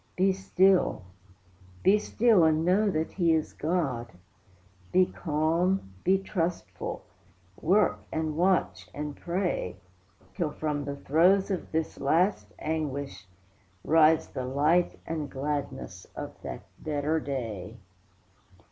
Be still, be still, and know that he is God; Be calm, be trustful; work, and watch, and pray, Till from the throes of this last anguish rise The light and gladness of that better day.